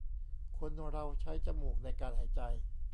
คนเราใช้จมูกในการหายใจ